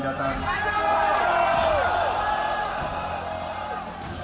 dua dua gue selalu untuk